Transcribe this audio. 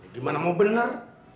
gimana mau bener